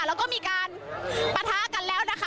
แล้วก็มีการปะทะกันแล้วนะคะ